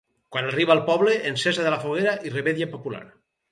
Quan arriba al poble, encesa de la foguera i revetlla popular.